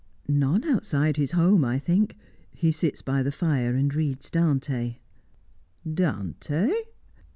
"None outside his home, I think. He sits by the fire and reads Dante." "Dante?"